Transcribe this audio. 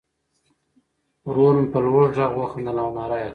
ورور مې په لوړ غږ وخندل او ناره یې کړه.